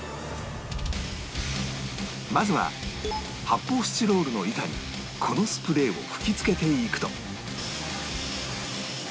まずは発泡スチロールの板にこのスプレーを吹き付けていくと